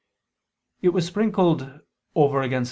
It was sprinkled "over against